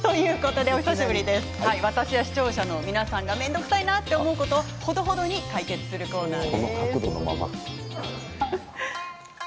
私や視聴者の皆さんが面倒くさいなと思うことをほどほどに解決するコーナーです。